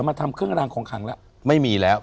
มาทำเครื่องรางของขังแล้วไม่มีแล้ว